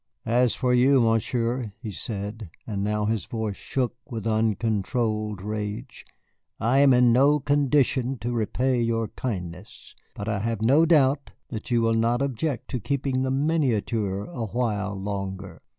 "As for you, Monsieur," he said, and now his voice shook with uncontrolled rage, "I am in no condition to repay your kindnesses. But I have no doubt that you will not object to keeping the miniature a while longer."